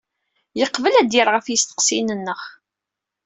Yeqbel ad d-yerr ɣef yisteqsiyen-nneɣ.